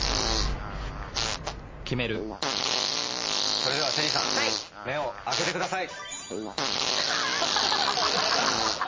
それではＳＨＥＬＬＹさん目を開けてください。